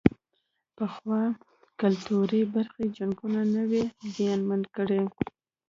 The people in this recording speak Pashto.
پخوا کلتوري برخې جنګونو نه وې زیانمنې کړې.